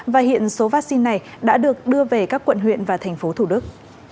và hiện số vaccine này đã được đưa về các quận huyện và thành phố thủ đức